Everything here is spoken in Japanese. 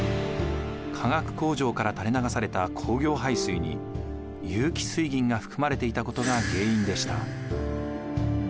化学工場から垂れ流された工業廃水に有機水銀が含まれていたことが原因でした。